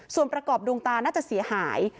ส่วนประกอบดวงตาน่าจะเสียหาย